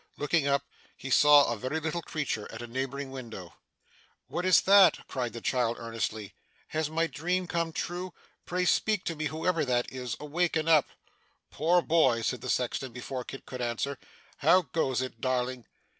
Looking up, he saw a very little creature at a neighbouring window. 'What is that?' cried the child, earnestly. 'Has my dream come true? Pray speak to me, whoever that is, awake and up.' 'Poor boy!' said the sexton, before Kit could answer, 'how goes it, darling?